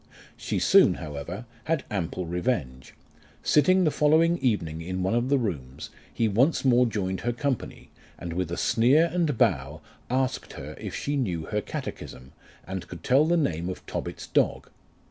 She soon, however, had ample revenge. Sitting the following evening in one of the rooms, he once more joined her company, and with a sneer and bow asked her if she knew her catechism, and could tell the name of Tobit's dog?